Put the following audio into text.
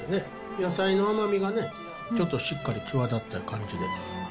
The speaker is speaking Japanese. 野菜の甘みがね、ちょっとしっかり際立ってる感じで。